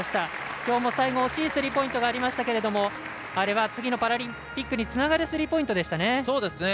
きょうも最後惜しいスリーポイントがありましたけれどもあれは次のパラリンピックにつながるスリーポイントでしたね。